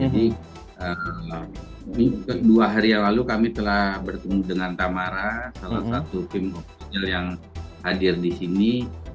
jadi dua hari yang lalu kami telah bertemu dengan tamara salah satu tim yang hadir di sini